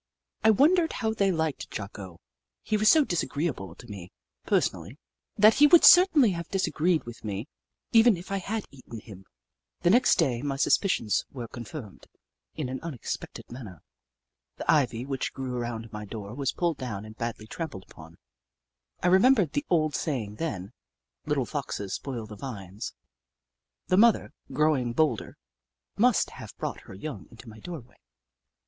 I wondered how they liked Jocko. He was so disagreeable to me, personally, that he would certainly have disagreed with me, even if I had eaten him. The next day, my suspicions were confirmed in an unexpected manner. The ivy which grew around my door was pulled down and badly trampled upon. I remembered the old saying, then :" Little foxes spoil the vines." The mother, growing bolder, must have brought her young into my dooryard.